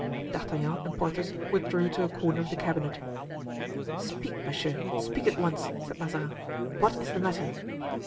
D'Artagnan and Porthos withdrew to a corner of the cabinet. "Speak, monsieur, speak at once!" said Mazarin "What is the matter?"